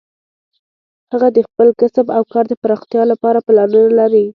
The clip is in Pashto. هغه د خپل کسب او کار د پراختیا لپاره پلانونه لري